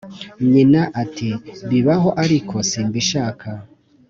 Nyina ati"bibaho ariko simbishaka